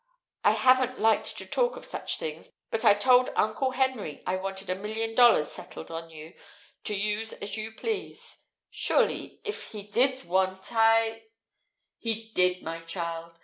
I haven't liked to talk of such things, but I told Uncle Henry I wanted a million dollars settled on you, to use as you pleased. Surely he did what I " "He did, my child.